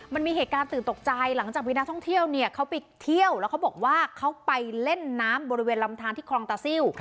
มันมีเหตุการณ์ตื่นตกใจหลังจากมีนักท่องเที่ยวเนี่ยเขาไปเที่ยวแล้วเขาบอกว่าเขาไปเล่นน้ำบริเวณลำทานที่คลองตาซิล